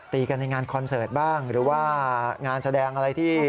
ตีกันในงานคอนเสิร์ตบ้างหรือว่างานแสดงอะไรที่